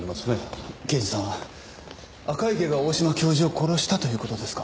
刑事さん赤池が大島教授を殺したという事ですか？